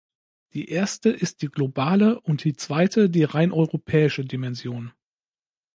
Die erste ist die globale und die zweite die rein europäische Dimension.